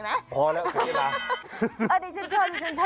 คำแบบนังเอกซิ